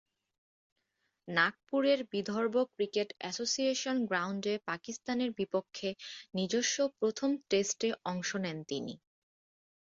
নাগপুরের Vidarbha cricket association গ্রাউন্ডে পাকিস্তানের বিপক্ষে নিজস্ব প্রথম টেস্টে অংশ নেন তিনি।